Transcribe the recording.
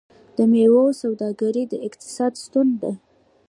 د میوو سوداګري د اقتصاد ستون ده.